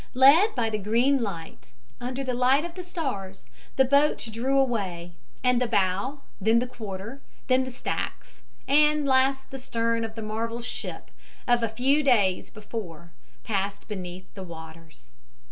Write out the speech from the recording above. Led by the green light, under the light of stars, the boats drew away, and the bow, then the quarter, then the stacks and last the stern of the marvel ship of a few days before passed beneath the waters.